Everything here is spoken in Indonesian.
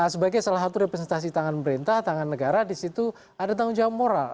sebagai salah satu representasi tangan berintah tangan negara disitu ada tanggung jawab moral